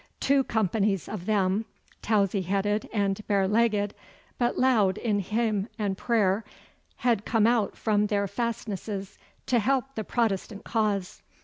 Two companies of them, towsy headed and bare legged, but loud in hymn and prayer, had come out from their fastnesses to help the Protestant cause.